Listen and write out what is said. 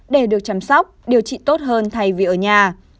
để được chăm sóc điều trị tốt hơn thay vì ở nhà